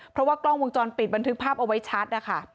เพราะว่ากล้องวงจรปิดบันทึกภาพเอาไว้ชัดนะคะ